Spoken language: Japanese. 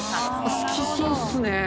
好きそうっすね。